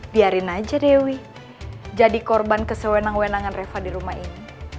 biarin aja dewi jadi korban kesewenang wenangan reva di rumah ini